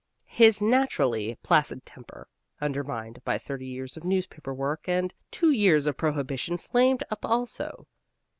His naturally placid temper, undermined by thirty years of newspaper work and two years of prohibition, flamed up also.